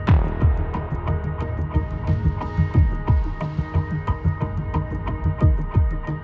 อย่าให้ลูกเสียงดังเพราะเดี๋ยวก็ได้ยิน